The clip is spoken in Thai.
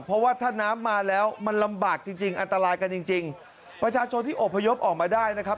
เพราะว่าถ้าน้ำมาแล้วมันลำบากจริงจริงอันตรายกันจริงจริงประชาชนที่อบพยพออกมาได้นะครับ